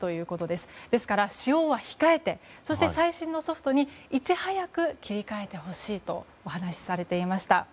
ですから使用は控えてそして最新のソフトにいち早く切り替えてほしいとお話しされていました。